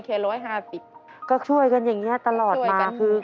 ก็ช่วยกันอย่างนี้ตลอดมาคือ